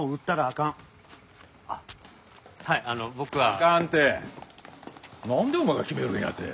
「あかん」ってなんでお前が決めるんやて。